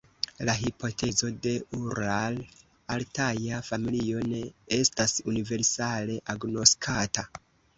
La hipotezo de ural-altaja familio ne estas universale agnoskata.